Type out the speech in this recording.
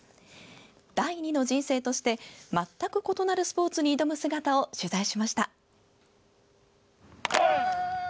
第２の人生として全く異なるスポーツに挑む姿を取材しました。